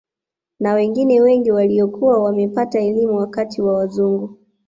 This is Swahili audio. Na wengine wengi waliokuwa wamepata elimu wakati wa wazungu